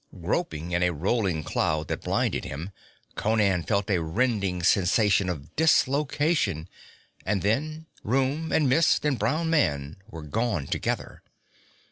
Groping in a rolling cloud that blinded him, Conan felt a rending sensation of dislocation and then room and mist and brown man were gone together.